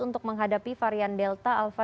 untuk menghadapi varian delta alpha